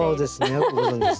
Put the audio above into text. よくご存じですね。